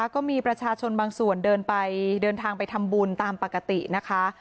ก็มีประชาชนบางส่วนเดินทางไปทำบุญตามปกตินะคะ